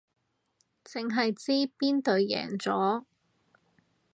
淨係知邊隊贏咗